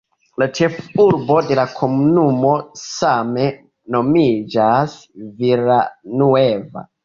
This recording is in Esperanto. La ĉefurbo de la komunumo same nomiĝas "Villanueva".